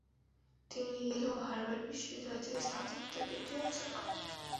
তিনি ইয়েল ও হার্ভার্ড বিশ্ববিদ্যালয় থেকে স্নাতকোত্তর ডিগ্রি অর্জন করেন।